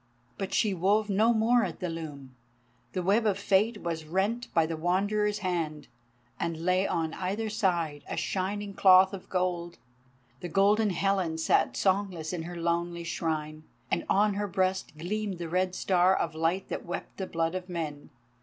But she wove no more at the loom. The web of fate was rent by the Wanderer's hands, and lay on either side, a shining cloth of gold. The Goddess Helen sat songless in her lonely Shrine, and on her breast gleamed the Red Star of light that wept the blood of men.